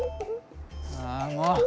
ああもう！